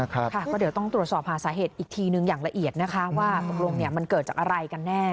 ก็เดี๋ยวต้องตรวจสอบหาสาเหตุอีกทีหนึ่งอย่างละเอียดนะคะว่าตกลงมันเกิดจากอะไรกันแน่